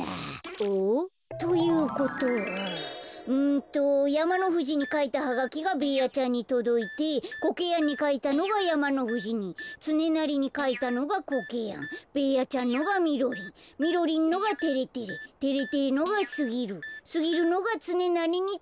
おっ？ということはんとやまのふじにかいたハガキがベーヤちゃんにとどいてコケヤンにかいたのがやまのふじにつねなりにかいたのがコケヤンベーヤちゃんのがみろりんみろりんのがてれてれてれてれのがすぎるすぎるのがつねなりにとどいちゃった。